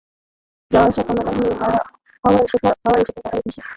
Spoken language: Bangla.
যাওয়া-আসার কান্নাহাসি হাওয়ায় সেথা বেড়ায় ভেসে।